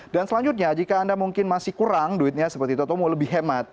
dan selanjutnya jika anda mungkin masih kurang duitnya seperti itu atau mau lebih hemat